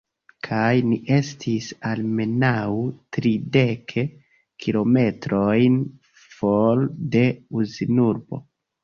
Kaj ni estis almenaŭ tridek kilometrojn for de Uzinurbo.